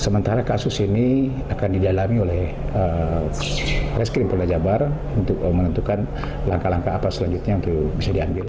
sementara kasus ini akan didalami oleh rizik krimpolri jawa barat untuk menentukan langkah langkah apa selanjutnya yang bisa diambil